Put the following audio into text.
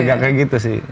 gak kayak gitu sih